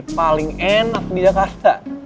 paling enak di jakarta